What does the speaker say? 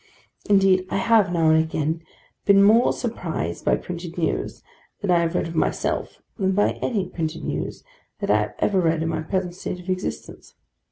Indeed, I have, now and again, been more surprised by printed news that I have read of myself, than by any printed news that I have ever read in my present state of existence.